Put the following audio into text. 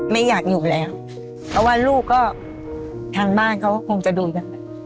ไม่อยากอยู่แล้วเพราะว่าลูกก็ทางบ้านเขาก็คงจะดูกันไป